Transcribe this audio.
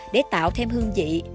để tạo thêm hương vị